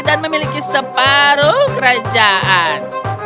dan memiliki separuh kerajaan